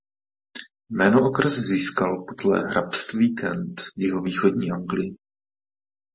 Jméno okres získal podle hrabství Kent v jihovýchodní Anglii.